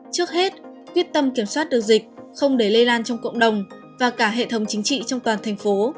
trước hết quyết tâm kiểm soát được dịch không để lây lan trong cộng đồng và cả hệ thống chính trị trong toàn thành phố